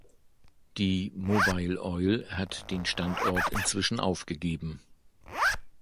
Die Mobil Oil hat den Standort inzwischen aufgegeben.